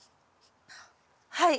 はい。